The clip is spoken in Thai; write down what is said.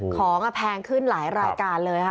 ของแพงขึ้นหลายรายการเลยค่ะ